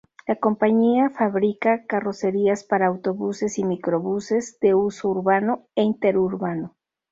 La compañía fabrica carrocerías para autobuses y microbuses de uso urbano e interurbano.